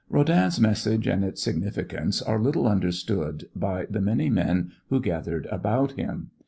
Rodin's message and its significance are little understood by the many men who gathered about him.